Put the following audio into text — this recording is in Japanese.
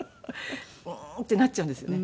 うーんってなっちゃうんですよね。